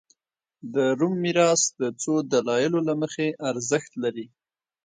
د روم میراث د څو دلایلو له مخې ارزښت لري